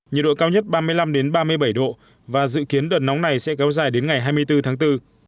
nhiệt độ cao nhất ba mươi năm ba mươi bảy độ và dự kiến đợt nóng này sẽ kéo dài đến ngày hai mươi bốn tháng bốn